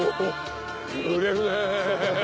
揺れるね！